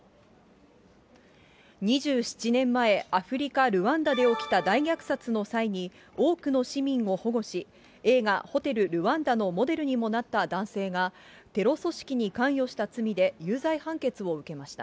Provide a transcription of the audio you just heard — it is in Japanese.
２７年前、アフリカ・ルワンダで起きた大虐殺の際に、多くの市民を保護し、映画、ホテル・ルワンダのモデルにもなった男性が、テロ組織に関与した罪で有罪判決を受けました。